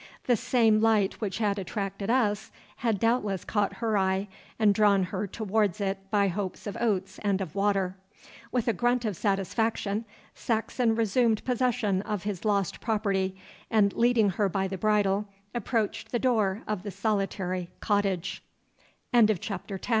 The same light which had attracted us had doubtless caught her eye, and drawn her towards it by hopes of oats and of water. With a grunt of satisfaction Saxon resumed possession of his lost property, and leading her by the bridle, approached the door of the solit